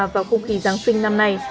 với không khí giáng sinh năm nay